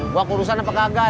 gua kurusan apa kagak